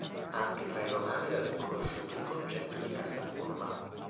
Anche tra i Romani era ben conosciuto il concetto di cassaforma.